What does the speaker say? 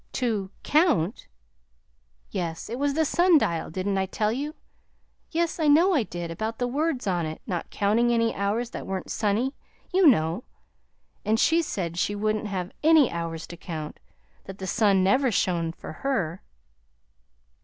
"To COUNT?" "Yes; it was the sundial. Didn't I tell you? Yes, I know I did about the words on it not counting any hours that weren't sunny, you know. And she said she wouldn't have ANY hours to count; that the sun never shone for her."